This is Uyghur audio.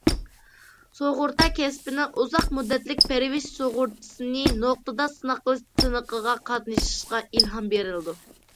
سۇغۇرتا كەسپىنىڭ ئۇزاق مۇددەتلىك پەرۋىش سۇغۇرتىسىنى نۇقتىدا سىناق قىلىش سىنىقىغا قاتنىشىشقا ئىلھام بېرىلىدۇ.